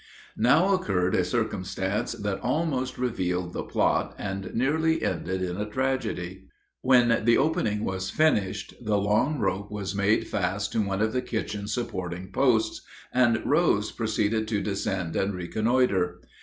Now occurred a circumstance that almost revealed the plot and nearly ended in a tragedy. When the opening was finished, the long rope was made fast to one of the kitchen supporting posts, and Rose proceeded to descend and reconnoiter.